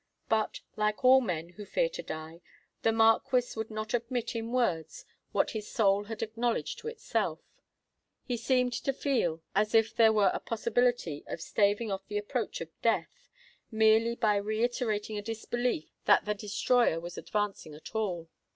But, like all men who fear to die, the Marquis would not admit in words what his soul had acknowledged to itself. He seemed to feel as if there were a possibility of staving off the approach of death, merely by reiterating a disbelief that the destroyer was advancing at all.